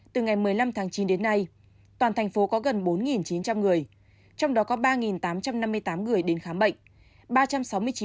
từ ngày một mươi năm tháng chín đến nay toàn thành phố có gần bốn chín trăm linh người trong đó có ba tám trăm năm mươi tám người đến khám bệnh